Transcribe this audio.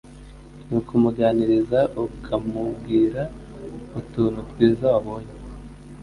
nu kumuganiriza, ukamubwira utuntu twiza wabonye,